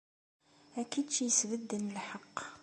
A kečč yesbedden lḥeqq!